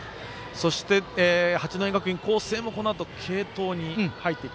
そして、八戸学院光星もこのあと、継投に入っていく。